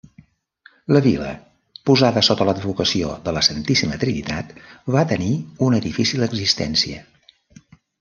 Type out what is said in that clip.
La vila, posada sota l'advocació de la Santíssima Trinitat, va tenir una difícil existència.